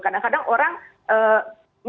karena kadang kadang orang